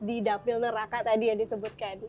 di dapil neraka tadi yang disebutkan